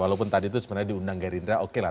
walaupun tadi itu sebenarnya diundang gerindra oke lah